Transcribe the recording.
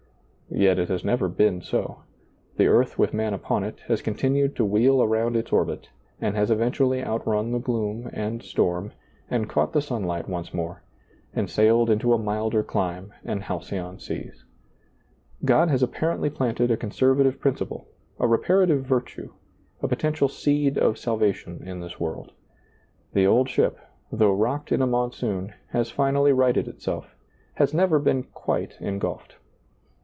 Yet it has never been so ; the earth with man upon it has continued to wheel around its orbit, and has eventually outrun the ^lailizccbvGoOgle A NEW YEAR SERMON 91 gloom and storm and caught the sunlight once more, and sailed into a milder clime and halcyon seas. God has apparently planted a conservative principle, a reparative virtue, a potential seed of sal vation in this world. The old ship, though rocked in a monsoon, has finally righted itself, has never been quite engulfed.